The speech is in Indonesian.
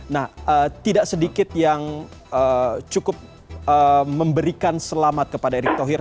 nah tidak sedikit yang cukup memberikan selamat kepada erick thohir